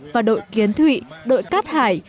và đội kiến thụy đội cát hải